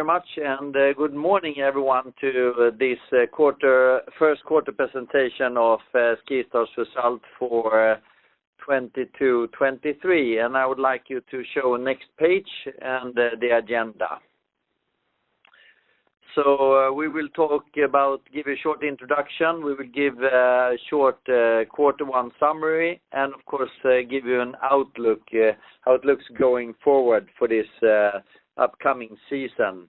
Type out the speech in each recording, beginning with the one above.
Very much, good morning everyone to this quarter, Q1 Presentation of SkiStar's Result for 2022, 2023. I would like you to show next page and the agenda. We will give a short introduction. We will give a short quarter one summary, and of course, give you an outlook how it looks going forward for this upcoming season.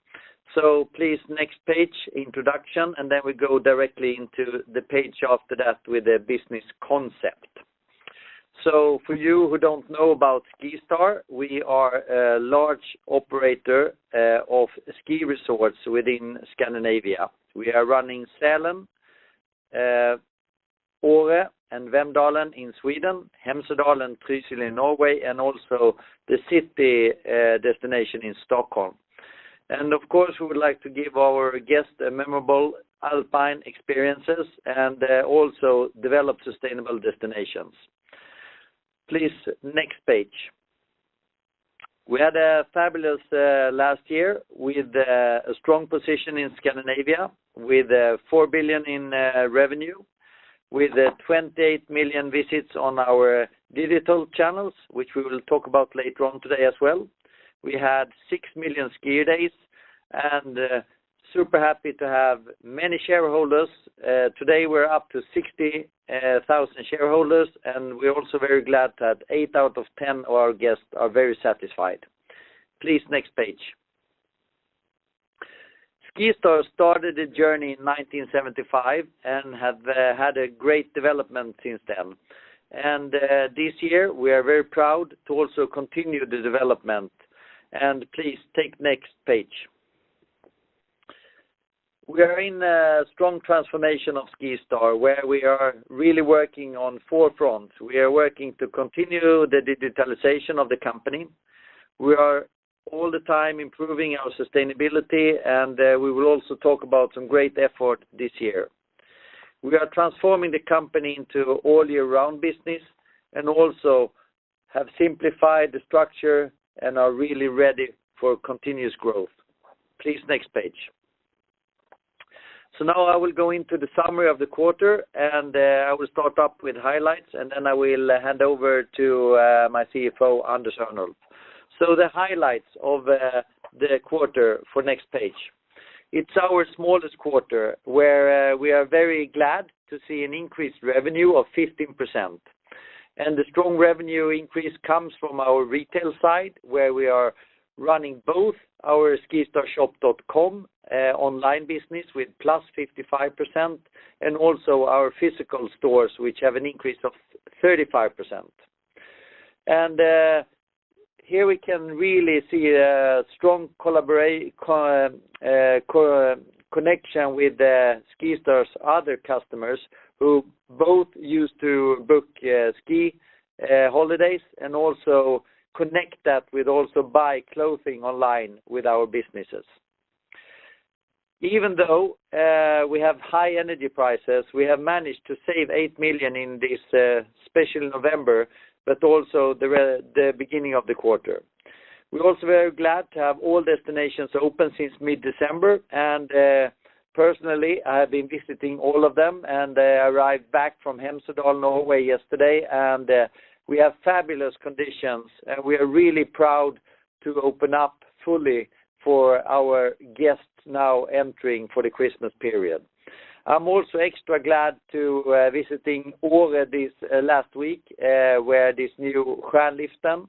Please next page, introduction, then we go directly into the page after that with the business concept. For you who don't know about SkiStar, we are a large operator of ski resorts within Scandinavia. We are running Sälen, Åre, and Vemdalen in Sweden, Hemsedal and Trysil in Norway, and also the city destination in Stockholm. Of course, we would like to give our guests memorable alpine experiences and also develop sustainable destinations. Please next page. We had a fabulous last year with a strong position in Scandinavia with 4 billion in revenue, with 28 million visits on our digital channels, which we will talk about later on today as well. We had 6 million ski days and super happy to have many shareholders. Today we're up to 60,000 shareholders, and we're also very glad that 8 out of 10 of our guests are very satisfied. Please next page. SkiStar started a journey in 1975 and have had a great development since then. This year, we are very proud to also continue the development. Please take next page. We are in a strong transformation of SkiStar, where we are really working on four fronts. We are working to continue the digitalization of the company. We are all the time improving our sustainability, and we will also talk about some great effort this year. We are transforming the company into all year round business and also have simplified the structure and are really ready for continuous growth. Please next page. Now I will go into the summary of the quarter, and I will start up with highlights, and then I will hand over to my CFO, Anders Örnulf. The highlights of the quarter for next page. It's our smallest quarter, where we are very glad to see an increased revenue of 15%. The strong revenue increase comes from our retail side, where we are running both our skistarshop.com online business with +55%, and also our physical stores, which have an increase of 35%. Here we can really see a strong connection with SkiStar's other customers who both use to book ski holidays and also connect that with also buy clothing online with our businesses. We have high energy prices, we have managed to save 8 million in this special November, but also the beginning of the quarter. We're also very glad to have all destinations open since mid-December. Personally, I have been visiting all of them, and I arrived back from Hemsedal, Norway yesterday, we have fabulous conditions, and we are really proud to open up fully for our guests now entering for the Christmas period. I'm also extra glad to visiting Åre this last week, where this new Granliften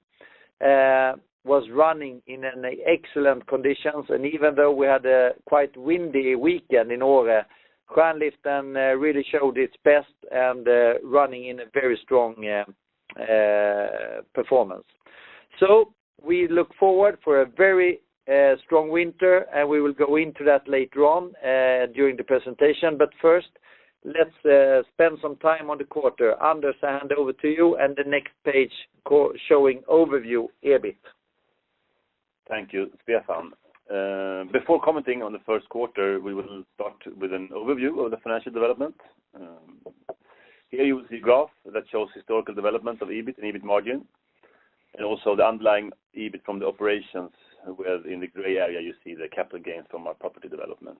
was running in an excellent conditions. Even though we had a quite windy weekend in Åre, Granliften really showed its best and running in a very strong performance. We look forward for a very strong winter, and we will go into that later on during the presentation. First, let's spend some time on the quarter. Anders, I hand over to you and the next page showing overview EBIT. Thank you, Stefan. Before commenting on the 1st quarter, we will start with an overview of the financial development. Here you will see a graph that shows historical development of EBIT and EBIT margin, and also the underlying EBIT from the operations, where in the gray area you see the capital gains from our property development.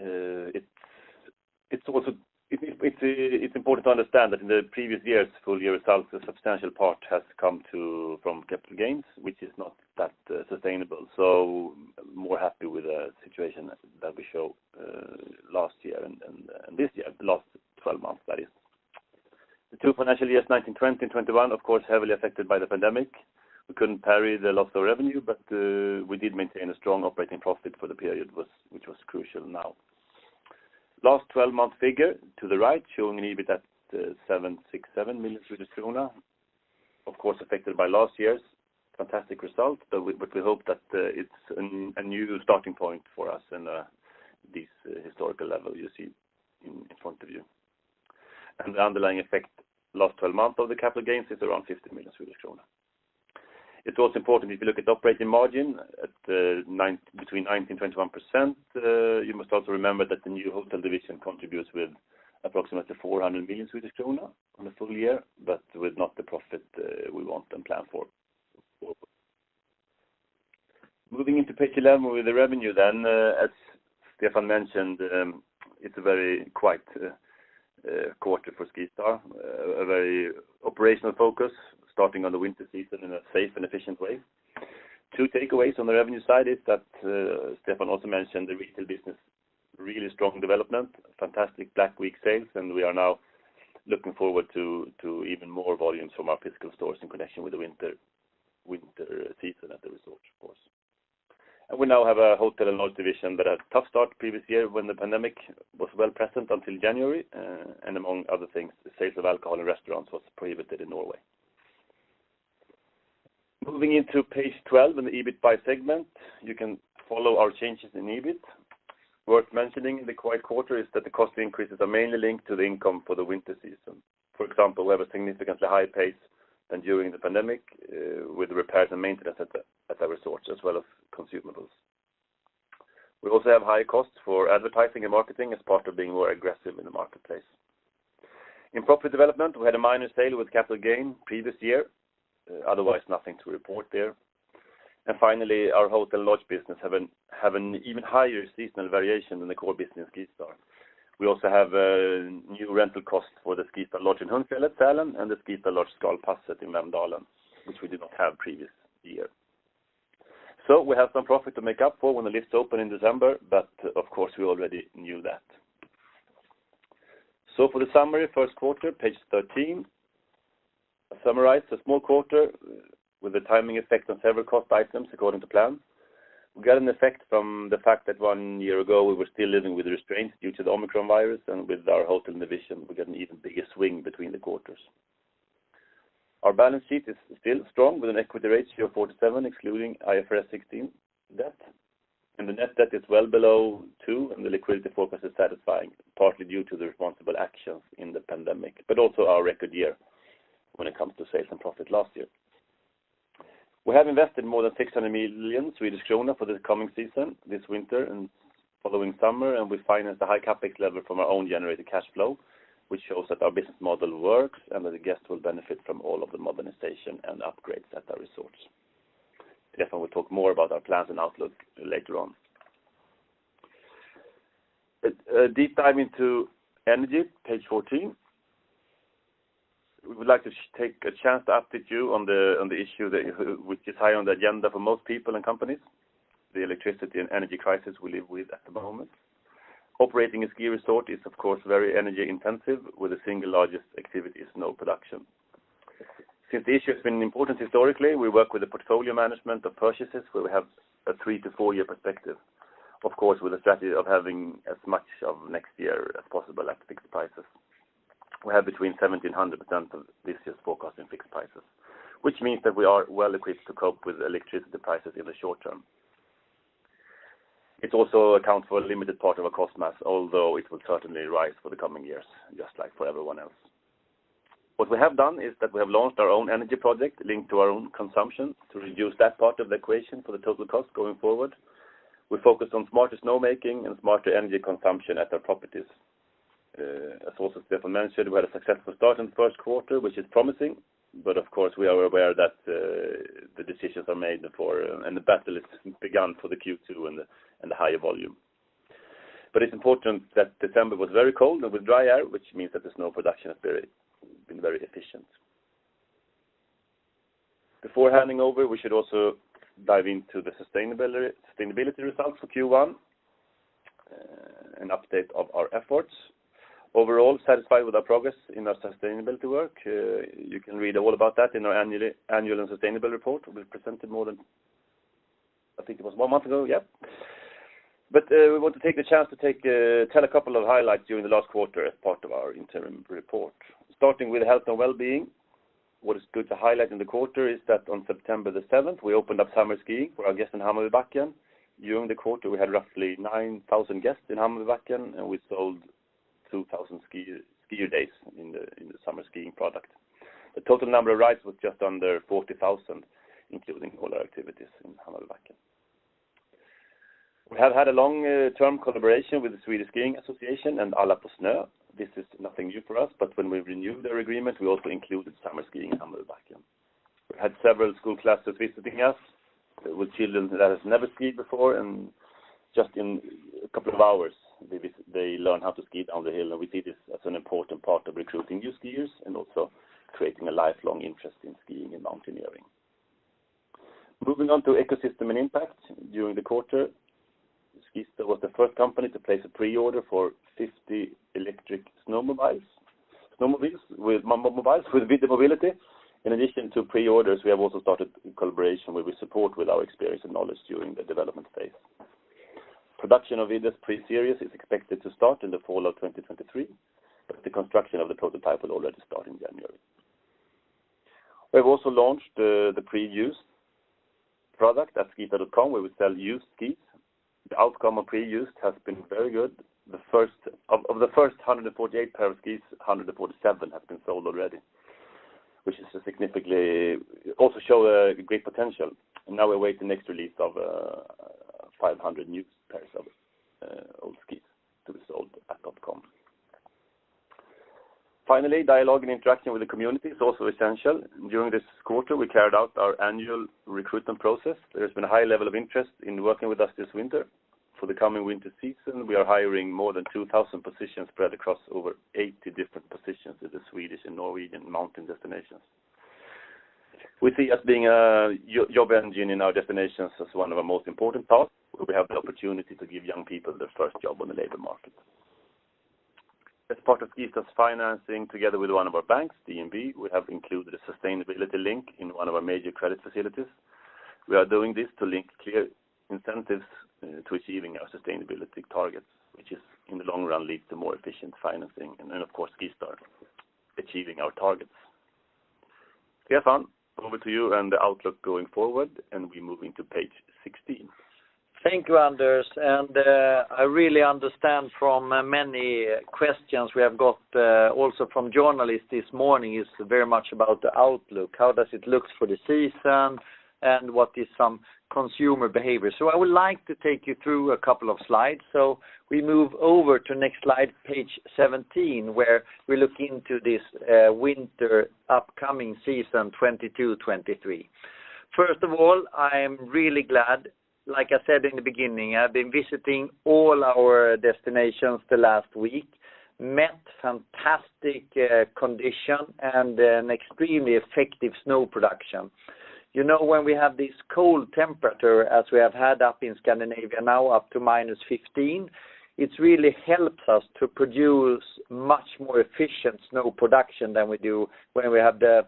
It's important to understand that in the previous years' full year results, a substantial part has come from capital gains, which is not that sustainable. More happy with the situation that we show last year and this year, the last 12 months that is. The two financial years 2019, 2020, and 2021, of course, heavily affected by the pandemic. We couldn't parry the loss of revenue. We did maintain a strong operating profit for the period which was crucial now. Last 12-month figure to the right showing an EBIT at 767 million Swedish krona, of course, affected by last year's fantastic result. We hope that it's a new starting point for us in this historical level you see in front of you. The underlying effect last 12 months of the capital gains is around 50 million Swedish kronor. It's also important if you look at operating margin at between 19%-21%. You must also remember that the new hotel division contributes with approximately 400 million Swedish krona on a full year, but with not the profit we want and plan for forward. Moving into page 11 with the revenue, as Stefan mentioned, it's a very quiet quarter for SkiStar, a very operational focus starting on the winter season in a safe and efficient way. Two takeaways on the revenue side is that Stefan also mentioned the retail business, really strong development, fantastic Black Week sales, and we are now looking forward to even more volumes from our physical stores in connection with the winter season at the resort, of course. We now have a hotel and lodge division that had a tough start previous year when the pandemic was well present until January, and among other things, the sales of alcohol in restaurants was prohibited in Norway. Moving into page 12 in the EBIT by segment, you can follow our changes in EBIT. Worth mentioning in the quiet quarter is that the cost increases are mainly linked to the income for the winter season. For example, we have a significantly higher pace than during the pandemic, with repairs and maintenance at our resorts, as well as consumables. We also have higher costs for advertising and marketing as part of being more aggressive in the marketplace. In profit development, we had a minor sale with capital gain previous year. Otherwise nothing to report there. Finally, our hotel and lodge business have an even higher seasonal variation than the core business SkiStar. We also have new rental costs for the SkiStar Lodge in Högfjället, Sälen and the SkiStar Lodge Skalspasset in Vemdalen, which we did not have previous year. We have some profit to make up for when the lifts open in December, but of course, we already knew that. For the summary, Q1, page 13. Summarize a small quarter with the timing effect on several cost items according to plan. We got an effect from the fact that one year ago, we were still living with restraints due to the Omicron virus and with our hotel division, we got an even bigger swing between the quarters. Our balance sheet is still strong with an equity ratio of 47%, excluding IFRS 16 debt. The net debt is well below two, and the liquidity focus is satisfying, partly due to the responsible actions in the pandemic, but also our record year when it comes to sales and profit last year. We have invested more than 600 million Swedish kronor for this coming season, this winter and following summer. We financed the high CapEx level from our own generated cash flow, which shows that our business model works and that the guests will benefit from all of the modernization and upgrades at our resorts. Stefan will talk more about our plans and outlook later on. A deep dive into energy, page 14. We would like to take a chance to update you on the issue which is high on the agenda for most people and companies, the electricity and energy crisis we live with at the moment. Operating a ski resort is of course very energy intensive, with the single largest activity is snow production. Since the issue has been important historically, we work with the portfolio management of purchases, where we have a three to four year perspective. Of course, with a strategy of having as much of next year as possible at fixed prices. We have between 1,700% of this year's forecast in fixed prices, which means that we are well equipped to cope with electricity prices in the short term. It also accounts for a limited part of our cost mass, although it will certainly rise for the coming years, just like for everyone else. What we have done is that we have launched our own energy project linked to our own consumption to reduce that part of the equation for the total cost going forward. We focus on smarter snowmaking and smarter energy consumption at our properties. As also Stefan mentioned, we had a successful start in the Q1, which is promising. Of course, we are aware that the decisions are made for and the battle is begun for the Q2 and the higher volume. It's important that December was very cold and with dry air, which means that the snow production has been very efficient. Before handing over, we should also dive into the sustainability results for Q1, an update of our efforts. Overall, satisfied with our progress in our sustainability work. You can read all about that in our annual and sustainability report. We presented more than, I think it was one month ago, yeah. We want to take the chance to tell a couple of highlights during the last quarter as part of our interim report. Starting with health and wellbeing, what is good to highlight in the quarter is that on September 7th, we opened up summer skiing for our guests in Hammarbybacken. During the quarter, we had roughly 9,000 guests in Hammarbybacken, and we sold 2,000 ski days in the summer skiing product. The total number of rides was just under 40,000, including all our activities in Hammarbybacken. We have had a long-term collaboration with the Swedish Skiing Association and Alla på snö. This is nothing new for us, when we renewed their agreement, we also included summer skiing in Hammarbybacken. We had several school classes visiting us with children that have never skied before, and just in a couple of hours, they learn how to ski down the hill. We see this as an important part of recruiting new skiers and also creating a lifelong interest in skiing and mountaineering. Moving on to ecosystem and impact. During the quarter, SkiStar was the first company to place a pre-order for 50 electric mobiles with Vidar Mobility. In addition to pre-orders, we have also started a collaboration where we support with our experience and knowledge during the development phase. Production of Vidar's pre-series is expected to start in the fall of 2023, but the construction of the prototype will already start in January. We have also launched the Pre-used product at Skistar.com, where we sell used skis. The outcome of Pre-used has been very good. Of the first 148 pair of skis, 147 have been sold already. Also show a great potential. Now we await the next release of 500 new pairs of old skis to be sold at SkiStar.com. Finally, dialogue and interaction with the community is also essential. During this quarter, we carried out our annual recruitment process. There has been a high level of interest in working with us this winter. For the coming winter season, we are hiring more than 2,000 positions spread across over 80 different positions in the Swedish and Norwegian mountain destinations. We see as being a job engine in our destinations as one of our most important tasks, where we have the opportunity to give young people their first job on the labor market. As part of SkiStar's financing together with one of our banks, DNB, we have included a sustainability link in one of our major credit facilities. We are doing this to link clear incentives, to achieving our sustainability targets, which is in the long run leads to more efficient financing and then of course SkiStar achieving our targets. Stefan, over to you and the outlook going forward, and we're moving to page 16. Thank you, Anders. I really understand from many questions we have got also from journalists this morning is very much about the outlook. How does it look for the season, and what is some consumer behavior? I would like to take you through a couple of slides. We move over to next slide, page 17, where we look into this winter upcoming season 2022-2023. First of all, I am really glad. Like I said in the beginning, I've been visiting all our destinations the last week, met fantastic condition and an extremely effective snow production. You know, when we have this cold temperature as we have had up in Scandinavia now up to minus 15, it's really helped us to produce much more efficient snow production than we do when we have the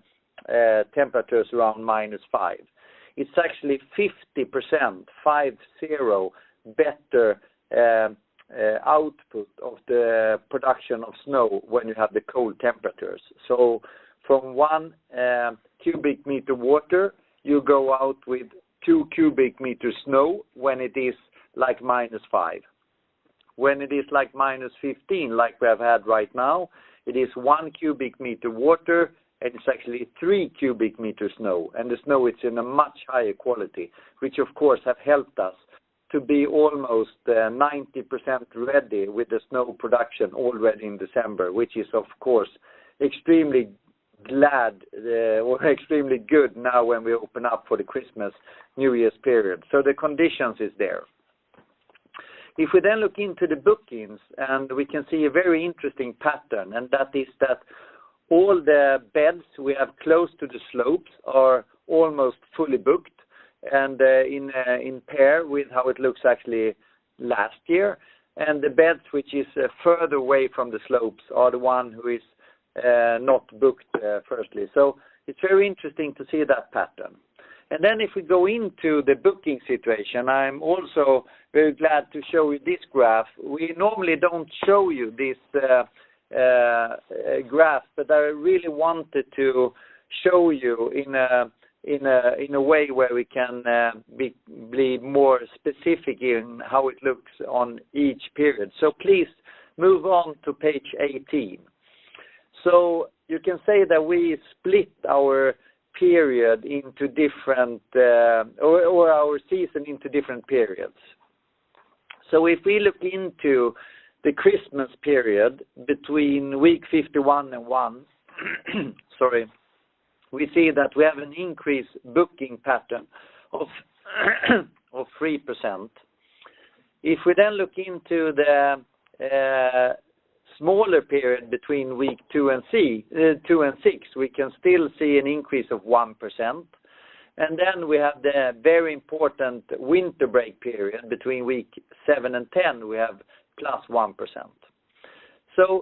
temperatures around minus 5. It's actually 50%, 5 0, better output of the production of snow when you have the cold temperatures. From 1 cubic meter water, you go out with 2 cubic meters snow when it is like minus 5. When it is like minus 15, like we have had right now, it is 1 cubic meter water, and it's actually 3 cubic meter snow. The snow is in a much higher quality, which of course have helped us to be almost 90% ready with the snow production already in December, which is of course extremely glad or extremely good now when we open up for the Christmas, New Year's period. The conditions is there. We then look into the bookings. We can see a very interesting pattern. That is that all the beds we have close to the slopes are almost fully booked and in pair with how it looks actually last year. The beds which is further away from the slopes are the one who is not booked firstly. It's very interesting to see that pattern. If we go into the booking situation, I'm also very glad to show you this graph. We normally don't show you this graph, but I really wanted to show you in a way where we can be more specific in how it looks on each period. Please move on to page 18. You can say that we split our period into different, or our season into different periods. If we look into the Christmas period between week 51 and one, sorry, we see that we have an increased booking pattern of 3%. If we then look into the smaller period between week two and six, we can still see an increase of 1%. Then we have the very important winter break period between week seven and 10, we have +1%.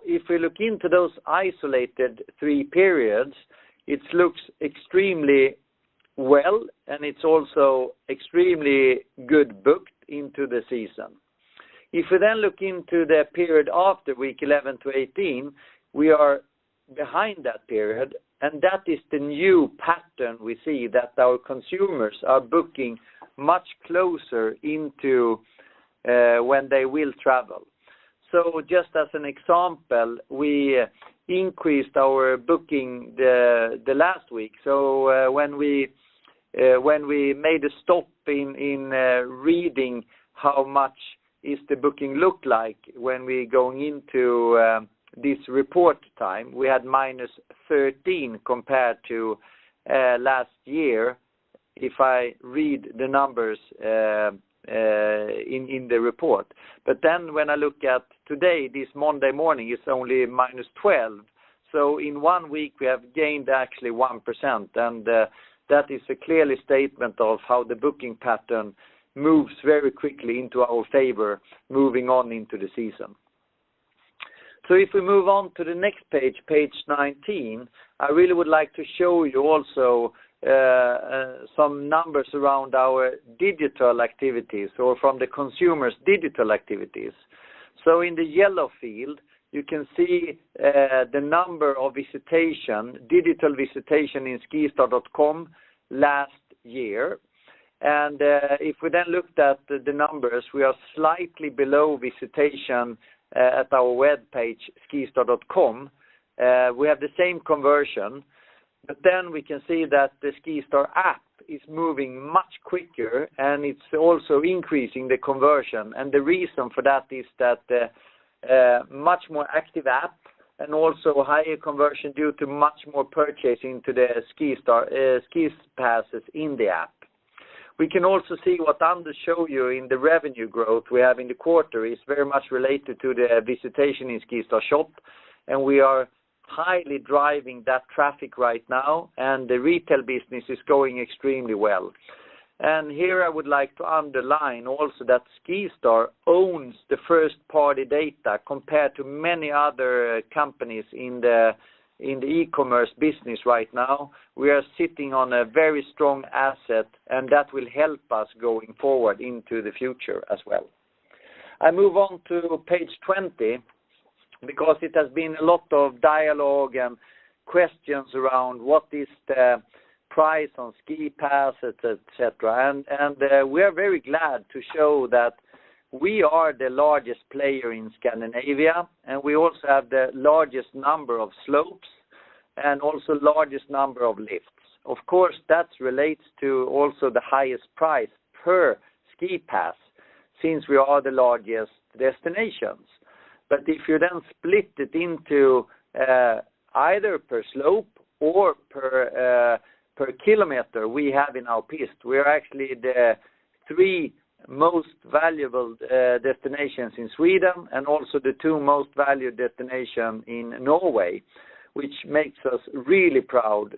If we look into those isolated 3 periods, it looks extremely well, and it's also extremely good booked into the season. If we then look into the period after week 11 to 18, we are behind that period, and that is the new pattern we see that our consumers are booking much closer into when they will travel. Just as an example, we increased our booking the last week. When we made a stop in reading how much is the booking look like when we're going into this report time, we had -13% compared to last year, if I read the numbers in the report. When I look at today, this Monday morning, it's only -12%. In one week, we have gained actually 1%. That is a clearly statement of how the booking pattern moves very quickly into our favor moving on into the season. If we move on to the next page 19, I really would like to show you also some numbers around our digital activities or from the consumer's digital activities. In the yellow field, you can see the number of visitation, digital visitation in skistar.com last year. And if we then looked at the numbers, we are slightly below visitation at our webpage, skistar.com. We have the same conversion, but then we can see that the SkiStar app is moving much quicker, and it's also increasing the conversion. And the reason for that is that much more active app and also higher conversion due to much more purchasing to the SkiStar ski passes in the app. We can also see what Anders show you in the revenue growth we have in the quarter is very much related to the visitation in SkiStarshop, and we are highly driving that traffic right now, and the retail business is going extremely well. Here I would like to underline also that SkiStar owns the first-party data compared to many other companies in the e-commerce business right now. We are sitting on a very strong asset, and that will help us going forward into the future as well. I move on to page 20 because it has been a lot of dialogue and questions around what is the price on ski passes, etcetera. We are very glad to show that we are the largest player in Scandinavia, and we also have the largest number of slopes and also largest number of lifts. Of course, that relates to also the highest price per ski pass since we are the largest destinations. If you then split it into either per slope or per km we have in our piste, we are actually the three most valuable destinations in Sweden and also the most valued destination in Norway, which makes us really proud.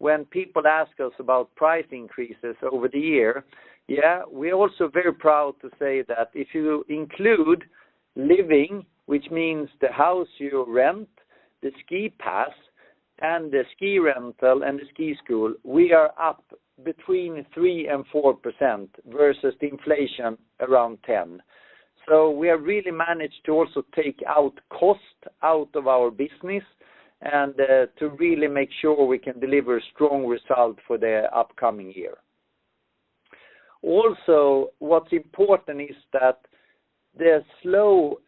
When people ask us about price increases over the year, yeah, we're also very proud to say that if you include living, which means the house you rent, the ski pass and the ski rental and the ski school, we are up between 3% and 4% versus the inflation around 10%. We have really managed to also take out cost out of our business and to really make sure we can deliver strong result for the upcoming year. What's important is that the slow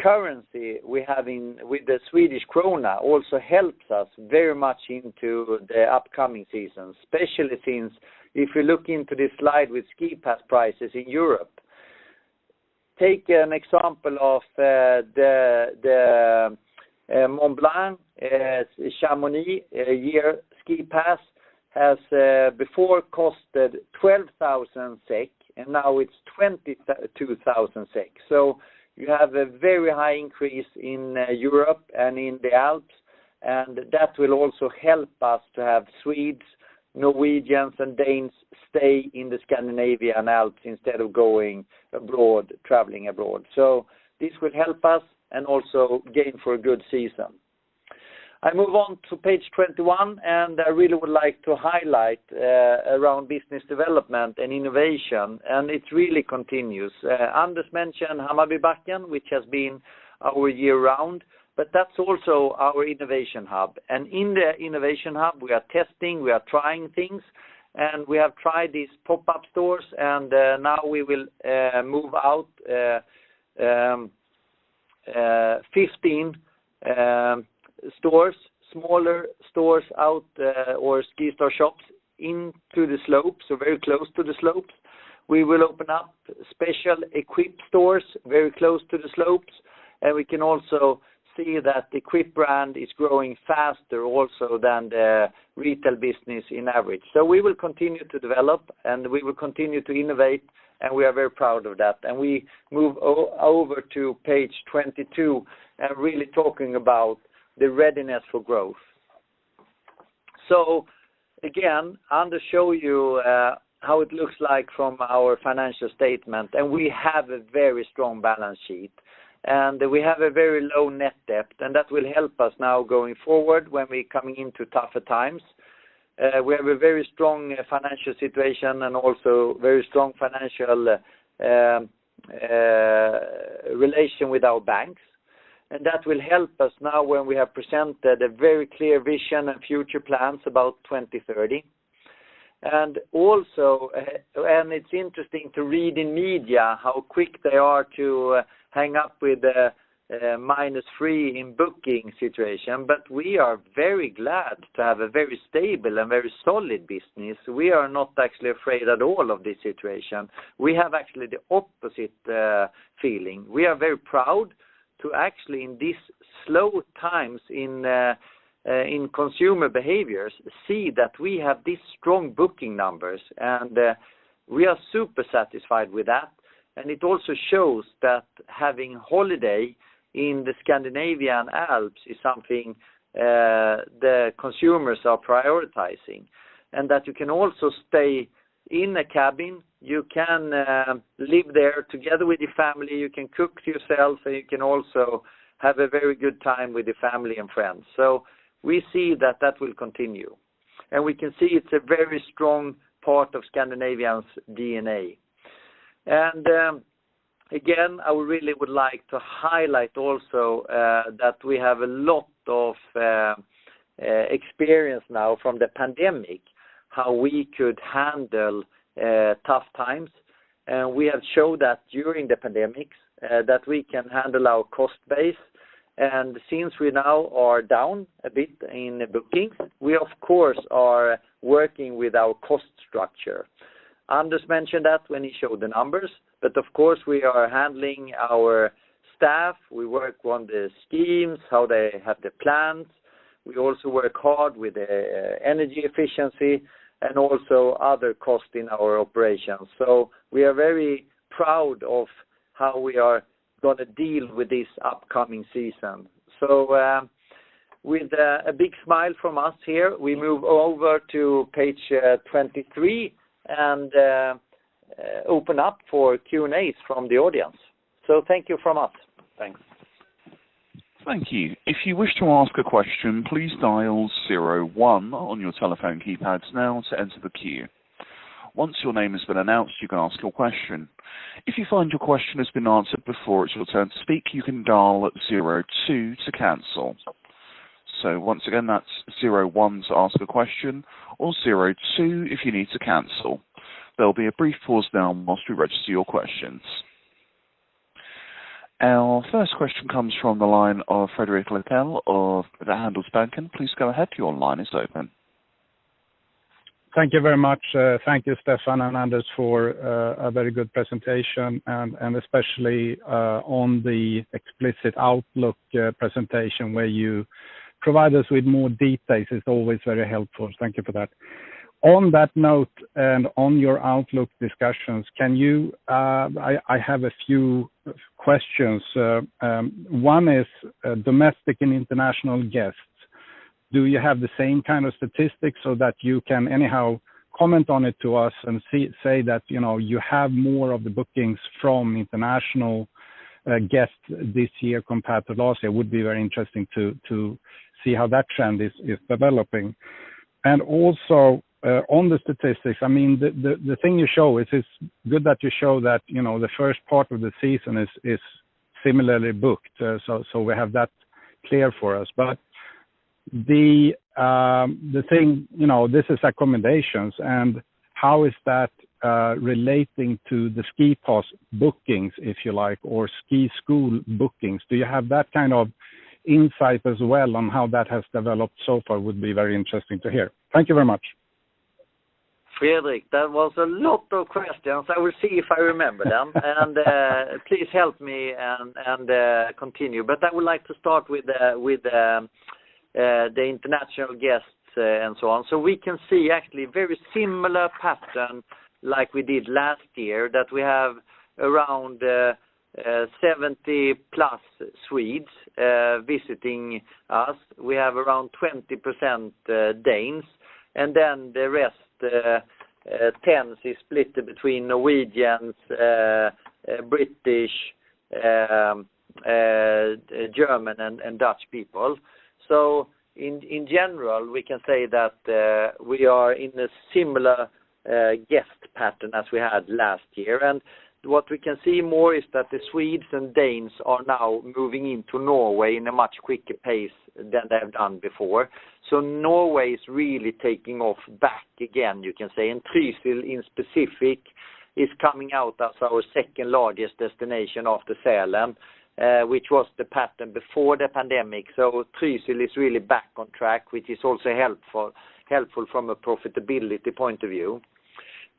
currency we have with the Swedish krona also helps us very much into the upcoming season, especially since if you look into this slide with ski pass prices in Europe. Take an example of the Mont Blanc, Chamonix a year ski pass has before costed 12,000 SEK, and now it's 22,000 SEK. You have a very high increase in Europe and in the Alps, and that will also help us to have Swedes, Norwegians and Danes stay in the Scandinavian Alps instead of going abroad, traveling abroad. This will help us and also gain for a good season. I move on to page 21. I really would like to highlight around business development and innovation. It really continues. Anders mentioned Hammarbybacken, which has been our year-round, but that's also our innovation hub. In the innovation hub, we are testing, we are trying things, and we have tried these pop-up stores, now we will move out 15 stores, smaller stores out or SkiStar shops into the slopes or very close to the slopes. We will open up special EQPE stores very close to the slopes, and we can also see that EQPE brand is growing faster also than the retail business in average. We will continue to develop, and we will continue to innovate, and we are very proud of that. We move over to page 22 and really talking about the readiness for growth. Again, Anders show you how it looks like from our financial statement, and we have a very strong balance sheet, and we have a very low net debt, and that will help us now going forward when we're coming into tougher times. We have a very strong financial situation and also very strong financial relation with our banks. That will help us now when we have presented a very clear vision and future plans about 2030. Also, it's interesting to read in media how quick they are to hang up with the -3 in booking situation. We are very glad to have a very stable and very solid business. We are not actually afraid at all of this situation. We have actually the opposite feeling. We are very proud to actually, in these slow times in consumer behaviors, see that we have these strong booking numbers. We are super satisfied with that. It also shows that having holiday in the Scandinavian Alps is something the consumers are prioritizing and that you can also stay in a cabin, you can live there together with your family, you can cook yourself, and you can also have a very good time with your family and friends. We see that that will continue. We can see it's a very strong part of Scandinavians' DNA. Again, I really would like to highlight also that we have a lot of experience now from the pandemic, how we could handle tough times. We have showed that during the pandemics, that we can handle our cost base. Since we now are down a bit in the bookings, we of course are working with our cost structure. Anders mentioned that when he showed the numbers, but of course we are handling our staff. We work on the schemes, how they have the plans. We also work hard with energy efficiency and also other costs in our operations. We are very proud of how we are gonna deal with this upcoming season. With a big smile from us here, we move over to page 23 and open up for Q&As from the audience. Thank you from us. Thanks. Thank you. If you wish to ask a question, please dial zero-one on your telephone keypads now to enter the queue. Once your name has been announced, you can ask your question. If you find your question has been answered before it's your turn to speak, you can dial zero-two to cancel. Once again, that's zero-one to ask a question or zero-two if you need to cancel. There'll be a brief pause now while we register your questions. Our first question comes from the line of Fredrik Lithell of the Handelsbanken. Please go ahead. Your line is open. Thank you very much. Thank you, Stefan and Anders, for a very good presentation, and especially, on the explicit outlook presentation where you provide us with more details. It's always very helpful. Thank you for that. On that note and on your outlook discussions, can you. I have a few questions. One is, domestic and international guests. Do you have the same kind of statistics so that you can anyhow comment on it to us and say that, you know, you have more of the bookings from international guests this year compared to last year? It would be very interesting to see how that trend is developing. Also, on the statistics, I mean, the thing you show is it's good that you show that, you know, the first part of the season is similarly booked, so we have that clear for us. The thing, you know, this is accommodations, and how is that relating to the ski pass bookings, if you like, or ski school bookings? Do you have that kind of insight as well on how that has developed so far? Would be very interesting to hear. Thank you very much. Fredrik, that was a lot of questions. I will see if I remember them. Please help me and continue. I would like to start with the international guests and so on. We can see actually very similar pattern like we did last year, that we have around 70-plus Swedes visiting us. We have around 20% Danes, and then the rest 10s is split between Norwegians, British, German and Dutch people. In general, we can say that we are in a similar guest pattern as we had last year. What we can see more is that the Swedes and Danes are now moving into Norway in a much quicker pace than they've done before. Norway is really taking off back again, you can say. Trysil in specific is coming out as our second-largest destination after Sälen, which was the pattern before the pandemic. Trysil is really back on track, which is also helpful from a profitability point of view.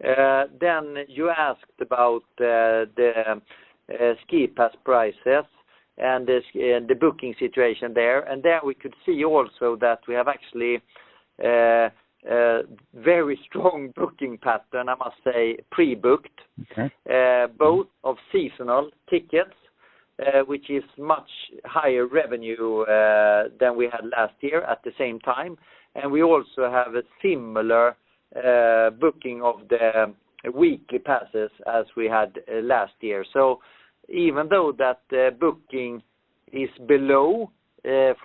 You asked about the ski pass prices and the booking situation there. There we could see also that we have actually very strong booking pattern, I must say, pre-booked. Okay. Both of seasonal tickets, which is much higher revenue than we had last year at the same time. We also have a similar booking of the weekly passes as we had last year. Even though that booking is below, nights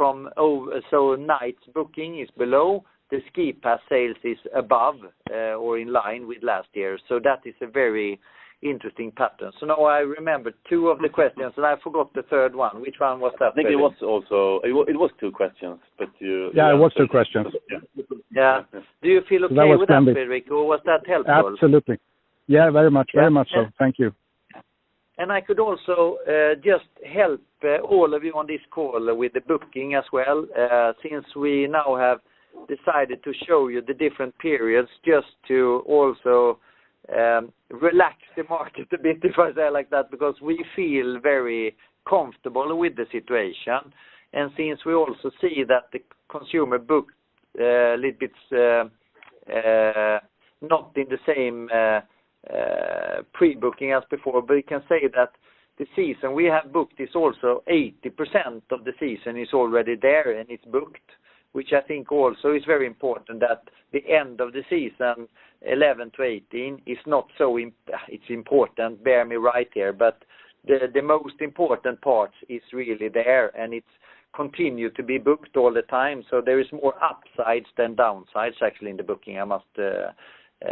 booking is below, the ski pass sales is above, or in line with last year. That is a very interesting pattern. Now I remembered two of the questions, and I forgot the third one. Which one was that, Frederick? I think it was also. It was two questions. It was two questions. Yeah. Yeah. Do you feel okay with that, Fredrik? Was that helpful? Absolutely. Yeah, very much. Very much so. Thank you. I could also just help all of you on this call with the booking as well, since we now have decided to show you the different periods just to also relax the market a bit, if I say it like that, because we feel very comfortable with the situation. Since we also see that the consumer booked a little bit not in the same pre-booking as before, but you can say that the season we have booked is also 80% of the season is already there and it's booked, which I think also is very important that the end of the season, 11-18, is not so important, bear me right here, but the most important part is really there and it's continue to be booked all the time. There is more upsides than downsides actually in the booking, I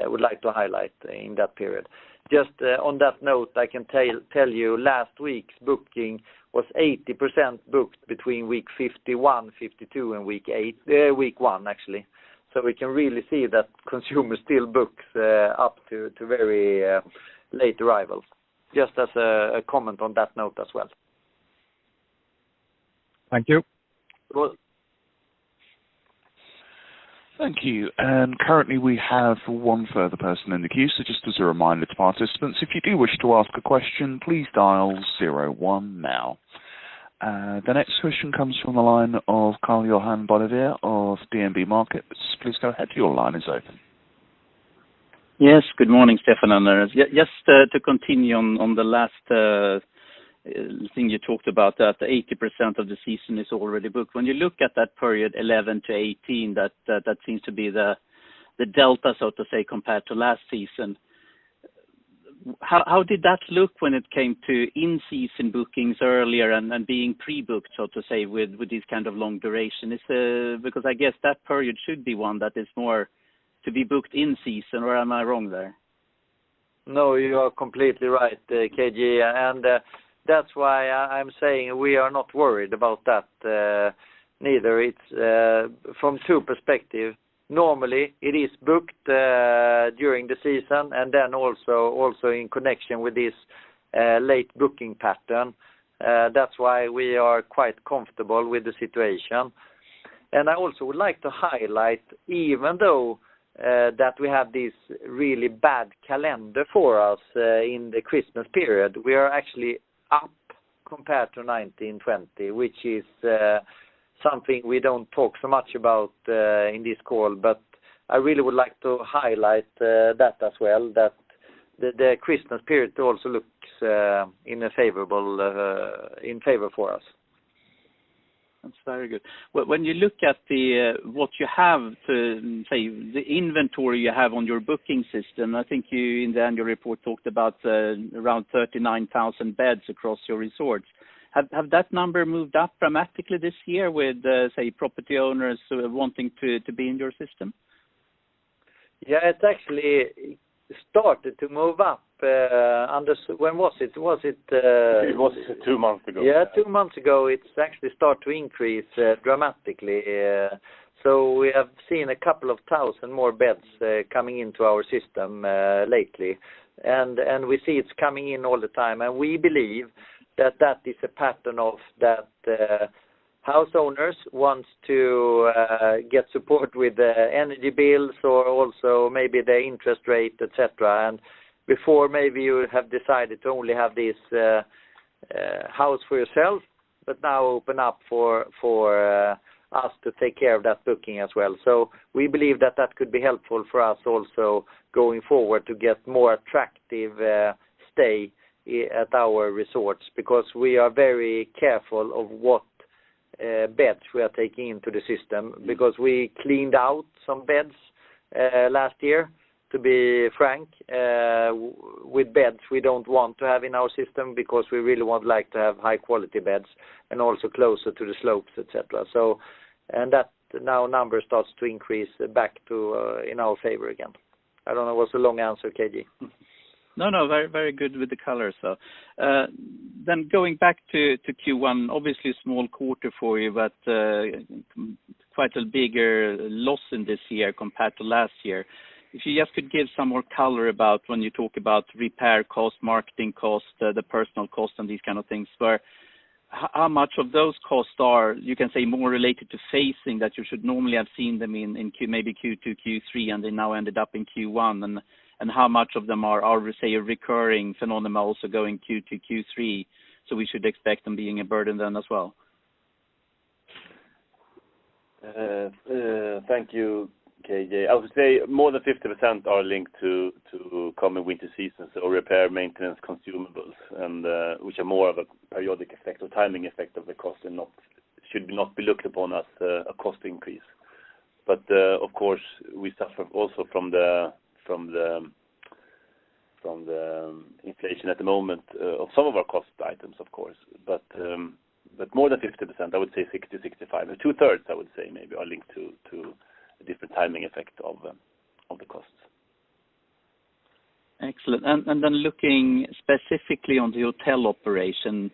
would like to highlight in that period. Just on that note, I can tell you last week's booking was 80% booked between week 51, 52 and week one, actually. We can really see that consumers still book up to very late arrivals. Just as a comment on that note as well. Thank you. You're welcome. Thank you. Currently we have one further person in the queue. Just as a reminder to participants, if you do wish to ask a question, please dial 01 now. The next question comes from the line of Karl-Johan Bonnevier of DNB Markets. Please go ahead. Your line is open. Yes. Good morning, Stefan and Anders. Yes, to continue on the last thing you talked about, that 80% of the season is already booked. When you look at that period, 11-18, that seems to be the delta, so to say, compared to last season. How did that look when it came to in-season bookings earlier and being pre-booked, so to say, with this kind of long duration? Because I guess that period should be one that is more to be booked in season, or am I wrong there? No, you are completely right, KG. That's why I'm saying we are not worried about that, neither. It's from two perspective. Normally, it is booked during the season and then also in connection with this late booking pattern. That's why we are quite comfortable with the situation. I also would like to highlight, even though that we have this really bad calendar for us in the Christmas period, we are actually up compared to 1920, which is something we don't talk so much about in this call. I really would like to highlight that as well, that the Christmas period also looks in a favorable in favor for us. That's very good. When you look at the what you have to the inventory you have on your booking system, I think you in the annual report talked about around 39,000 beds across your resorts. Have that number moved up dramatically this year with property owners wanting to be in your system? Yeah, it actually started to move up. When was it? Was it? It was two months ago. Yeah, two months ago, it's actually start to increase dramatically. We have seen 2,000 more beds coming into our system lately. We see it's coming in all the time. We believe that that is a pattern of that house owners wants to get support with energy bills or also maybe the interest rate, et cetera. Before, maybe you have decided to only have this house for yourself, but now open up for us to take care of that booking as well. We believe that that could be helpful for us also going forward to get more attractive stay at our resorts because we are very careful of what beds we are taking into the system because we cleaned out some beds last year, to be frank, with beds we don't want to have in our system because we really would like to have high quality beds and also closer to the slopes, et cetera. That now number starts to increase back to in our favor again. I don't know. It was a long answer, KG. No, very good with the colors, though. Going back to Q1, obviously small quarter for you, but quite a bigger loss in this year compared to last year. If you just could give some more color about when you talk about repair cost, marketing cost, the personal cost and these kind of things, how much of those costs are, you can say, more related to phasing that you should normally have seen them in Q2, maybe Q3, and they now ended up in Q1? How much of them are, say, a recurring phenomenon also going Q2, Q3? We should expect them being a burden then as well. Thank you, KG. I would say more than 50% are linked to common winter seasons or repair, maintenance, consumables, and which are more of a periodic effect or timing effect of the cost and not should not be looked upon as a cost increase. Of course, we suffer also from the inflation at the moment, of some of our cost items, of course. More than 50%, I would say 60, 65, or 2/3, I would say maybe are linked to a different timing effect of the costs. Excellent. Then looking specifically on the hotel operation,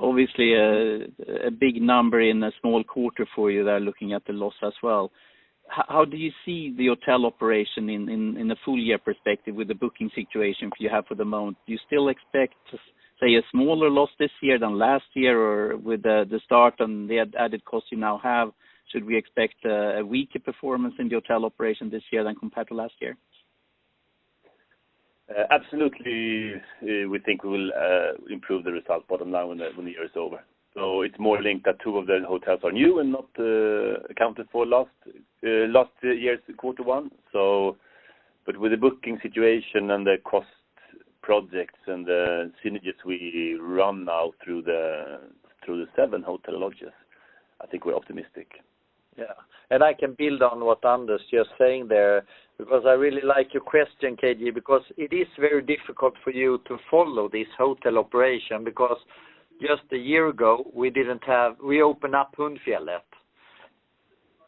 obviously, a big number in a small quarter for you there looking at the loss as well. How do you see the hotel operation in a full year perspective with the booking situation you have for the moment? Do you still expect, say, a smaller loss this year than last year? Or with the start and the added costs you now have, should we expect a weaker performance in the hotel operation this year than compared to last year? Absolutely, we think we will improve the result bottom line when the year is over. It's more linked that two of the hotels are new and not accounted for last year's quarter one. With the booking situation and the cost projects and the synergies we run now through the seven hotel lodges, I think we're optimistic. Yeah. I can build on what Anders just saying there, because I really like your question, KG, because it is very difficult for you to follow this hotel operation because just a year ago, we didn't have. We opened up Hundfjället.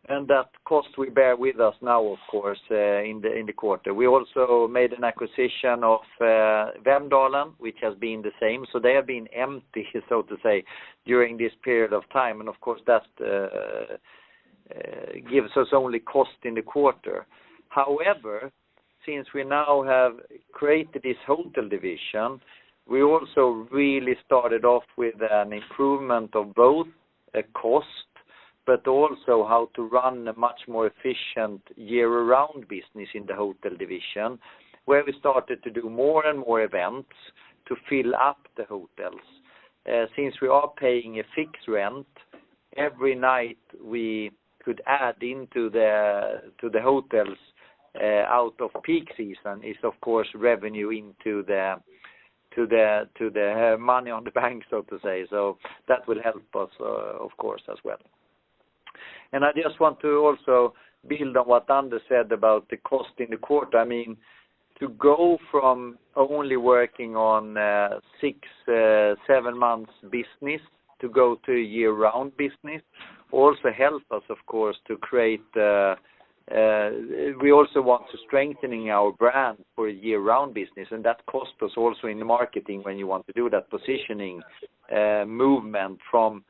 That cost we bear with us now, of course, in the quarter. We also made an acquisition of Vemdalen, which has been the same. They have been empty, so to say, during this period of time. Of course, that gives us only cost in the quarter. Since we now have created this hotel division, we also really started off with an improvement of both cost, but also how to run a much more efficient year-round business in the hotel division, where we started to do more and more events to fill up the hotels. Since we are paying a fixed rent every night, we could add into the hotels out of peak season is of course, revenue into the money on the bank, so to say. That will help us, of course, as well. I just want to also build on what Anders said about the cost in the quarter. I mean, to go from only working on six, seven months business to go to year-round business also help us, of course, to create, we also want to strengthening our brand for a year-round business, and that cost us also in the marketing when you want to do that positioning movement from,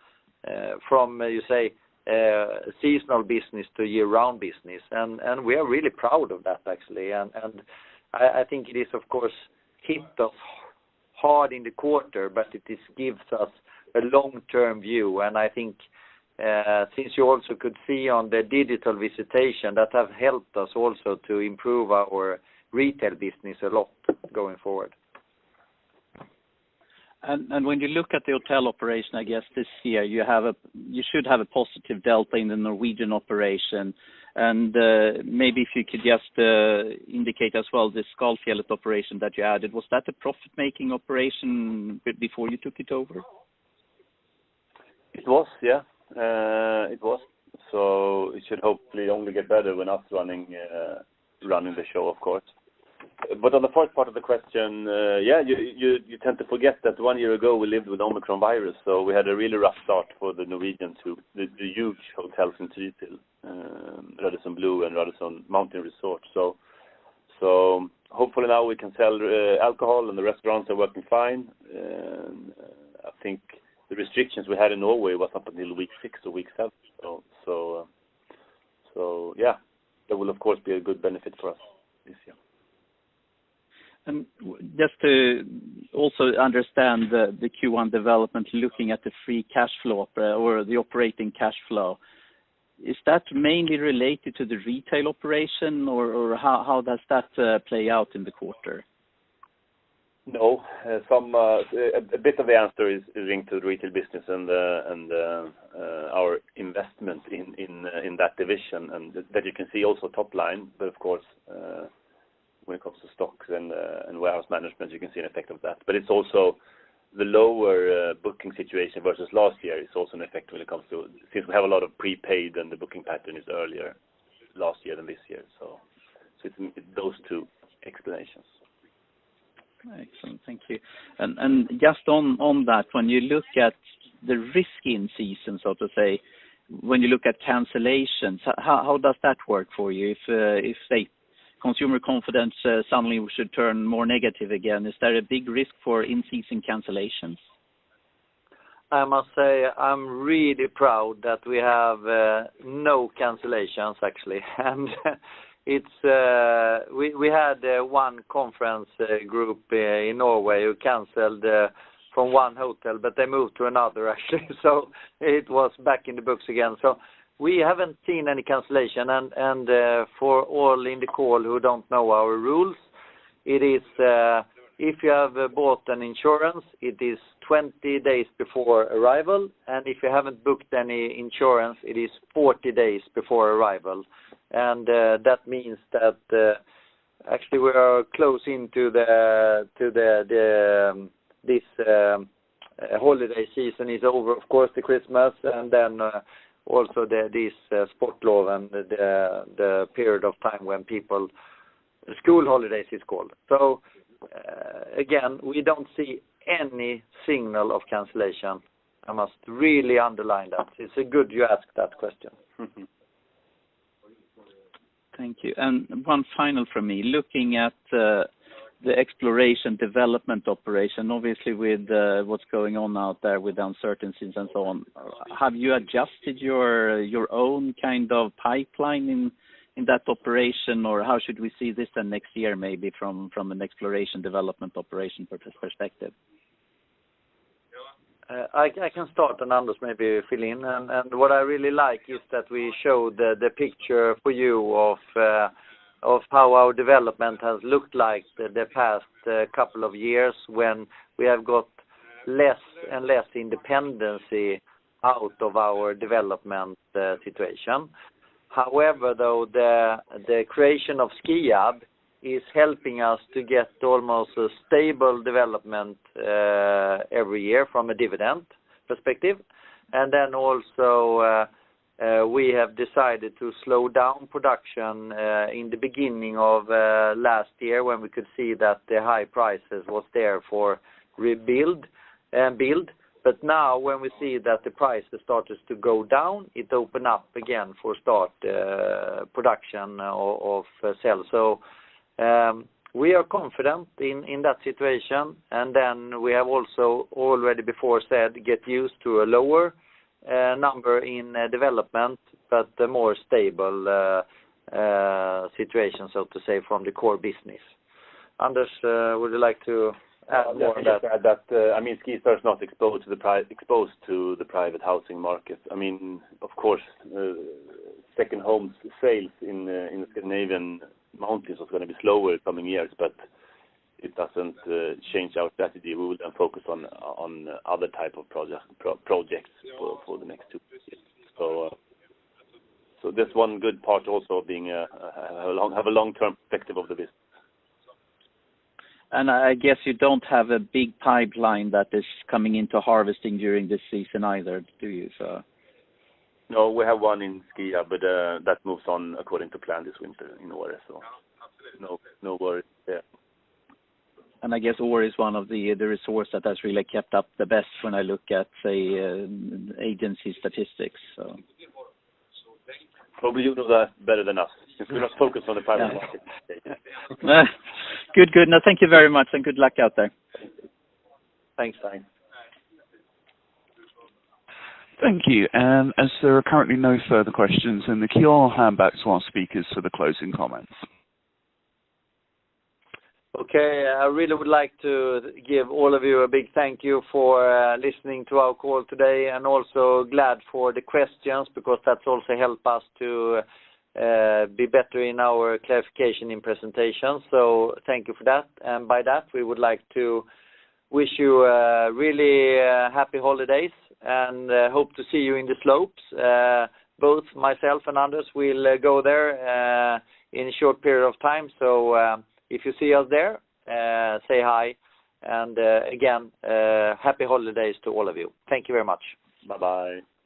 you say, seasonal business to year-round business. We are really proud of that, actually. I think it is, of course, hit us hard in the quarter, but it is gives us a long-term view. I think, since you also could see on the digital visitation, that have helped us also to improve our retail business a lot going forward. When you look at the hotel operation, I guess this year, you should have a positive delta in the Norwegian operation. Maybe if you could just indicate as well the Skalfjället operation that you added. Was that a profit-making operation before you took it over? It was, yeah. It was. It should hopefully only get better when us running the show, of course. On the first part of the question, yeah, you tend to forget that one year ago, we lived with Omicron virus, so we had a really rough start for the Norwegian to the huge hotels in Trysil, Radisson Blu and Radisson Mountain Resort. Hopefully now we can sell alcohol and the restaurants are working fine. I think the restrictions we had in Norway was up until week six or week seven. Yeah, that will, of course, be a good benefit for us this year. Just to also understand the Q1 development, looking at the free cash flow or the operating cash flow, is that mainly related to the retail operation or how does that play out in the quarter? No. Some a bit of the answer is linked to retail business and our investment in that division. That you can see also top line. But of course, when it comes to stocks and warehouse management, you can see an effect of that. But it's also the lower booking situation versus last year is also an effect when it comes to since we have a lot of prepaid and the booking pattern is earlier last year than this year. It's those two explanations. Excellent. Thank you. just on that, when you look at the risk in season, so to say, when you look at cancellations, how does that work for you? If say, consumer confidence, suddenly should turn more negative again, is there a big risk for in-season cancellations? I must say I'm really proud that we have no cancellations, actually. It's, we had one conference group in Norway who canceled from one hotel, but they moved to another, actually. It was back in the books again. We haven't seen any cancellation. For all in the call who don't know our rules, it is if you have bought an insurance, it is 20 days before arrival, and if you haven't booked any insurance, it is 40 days before arrival. That means that actually we are closing to the holiday season is over, of course, the Christmas, and then also this Sportlov and the period of time when people. School holidays is called. Again, we don't see any signal of cancellation. I must really underline that. It's a good you ask that question. Thank you. One final from me. Looking at the exploration development operation, obviously with what's going on out there with uncertainties and so on, have you adjusted your own kind of pipeline in that operation? How should we see this then next year, maybe from an exploration development operation perspective? I can start, Anders maybe fill in. What I really like is that we show the picture for you of how our development has looked like the past couple of years when we have got less and less independency out of our development situation. However, though the creation of Skiab is helping us to get almost a stable development every year from a dividend perspective. Then also, we have decided to slow down production in the beginning of last year when we could see that the high prices was there for rebuild and build. Now when we see that the price has started to go down, it opened up again for start production of sales. We are confident in that situation. We have also already before said get used to a lower, number in, development, but a more stable, situation, so to say, from the core business. Anders, would you like to add more on that? Just to add that, I mean, SkiStar is not exposed to the private housing market. I mean, of course, second homes sales in the Scandinavian mountains is gonna be slower coming years, but it doesn't change our strategy. We would focus on other type of projects for the next two years. That's one good part also being a long-term perspective of the business. I guess you don't have a big pipeline that is coming into harvesting during this season either, do you, so? No, we have one in Skiab, but, that moves on according to plan this winter in Åre, so no worries there. I guess Åre is one of the resource that has really kept up the best when I look at, say, agency statistics, so. Probably you know that better than us. We're not focused on the private market. Good. Good. No, thank you very much, and good luck out there. Thanks, Daniel. Thank you. As there are currently no further questions in the queue, I'll hand back to our speakers for the closing comments. I really would like to give all of you a big thank you for listening to our call today, and also glad for the questions because that also help us to be better in our clarification and presentation. Thank you for that. By that, we would like to wish you really happy holidays, and hope to see you in the slopes. Both myself and Anders will go there in a short period of time. If you see us there, say hi, and again, happy holidays to all of you. Thank you very much. Bye-bye.